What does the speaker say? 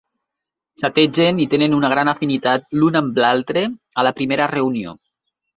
Xategen i tenen una gran afinitat l'un amb l'altre a la primera reunió.